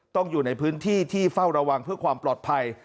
อยู่ในพื้นที่ที่เฝ้าระวังเพื่อความปลอดภัย